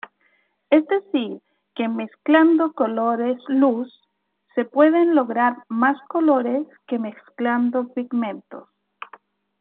Es decir que mezclando colores luz se pueden lograr más colores que mezclando pigmentos.